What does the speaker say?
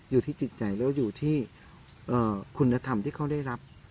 อยู่ที่จิตใจแล้วอยู่ที่คุณธรรมที่เขาได้รับ